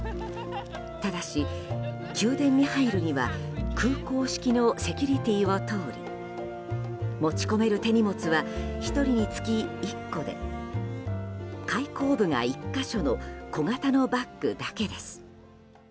ただし、宮殿に入るには空港式のセキュリティーを通り持ち込める手荷物は１人につき１個で開口部が１か所の小型のバッグだけです。